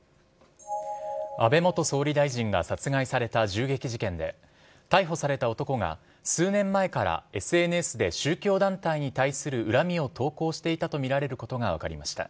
安倍元総理大臣が殺害された銃撃事件で、逮捕された男が、数年前からＳＮＳで宗教団体に対する恨みを投稿していたと見られることが分かりました。